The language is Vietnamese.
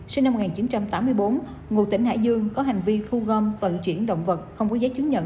sinh năm một nghìn chín trăm tám mươi bốn ngụ tỉnh hải dương có hành vi thu gom vận chuyển động vật không có giấy chứng nhận